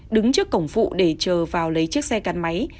đứng trước cổng phụ để chờ vào lấy chiếc xe cắn máy